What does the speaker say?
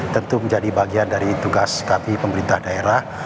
tentu menjadi bagian dari tugas kami pemerintah daerah